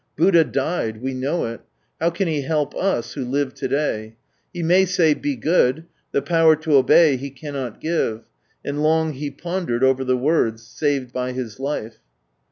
"Buddha died; we know it. How can he help us, who live to day ? He may say, ' Be good ;' the power to obey he cannot give ;"— and long he pondered over the words, " Saved by //is life."